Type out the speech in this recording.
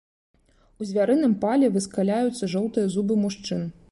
У звярыным пале выскаляюцца жоўтыя зубы мужчын.